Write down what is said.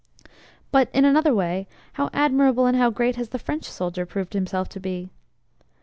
But, in another way, how admirable and how great has the French soldier proved himself to be!